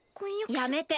やめて。